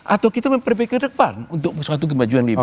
atau kita memperbaiki ke depan untuk suatu kemajuan lebih baik